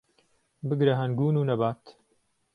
بگره ههنگوون و نهبات